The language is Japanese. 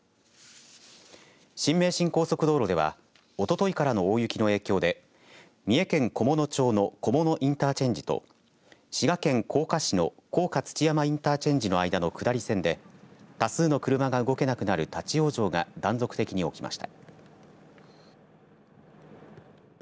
新名神高速道路ではおとといからの大雪の影響で三重県菰野町の菰野インターチェンジと滋賀県甲賀市の甲賀土山インターチェンジの間の下り線で多数の車が動けなくなる立往生が断続的に起きました。